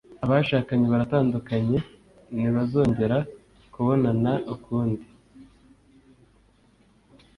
Abashakanye baratandukanye, ntibazongera kubonana ukundi.